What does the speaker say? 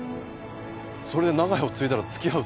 それで長屋を継いだら付き合うって。